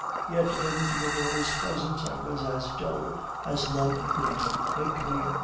Yet in Foedora's presence I was as dull as love could make me.